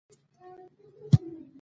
د پخلا کولو هڅه د سولې کار دی.